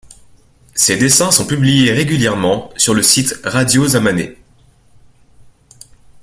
Ses dessins sont publiés régulièrement sur le site Radio Zamaneh.